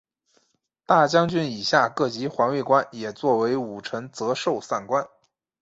大将军以下各级环卫官也作为武臣责授散官。